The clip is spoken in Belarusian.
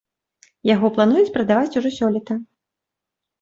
Яго плануюць прадаваць ужо сёлета.